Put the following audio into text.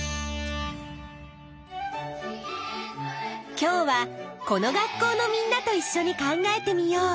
今日はこの学校のみんなといっしょに考えてみよう！